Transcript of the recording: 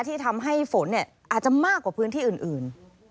ที่ทำให้ฝนอาจจะมากกว่าพื้นที่อื่น